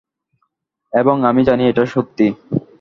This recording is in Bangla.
এবং আমি জানি এইটা সত্যি।